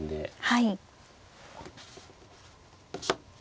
はい。